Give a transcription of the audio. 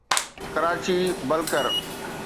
Karachi بلڪر